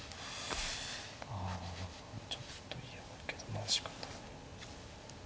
あちょっと嫌だけどまあしかたない。